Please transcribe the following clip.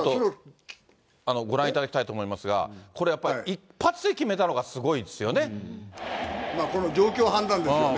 ご覧いただきたいと思いますが、これやっぱり、一発で決めたこの状況判断ですよね。